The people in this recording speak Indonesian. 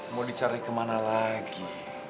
mau dicari kemana lagi